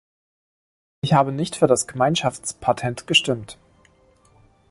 Ich habe nicht für das Gemeinschaftspatent gestimmt.